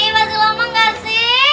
masih lama gak sih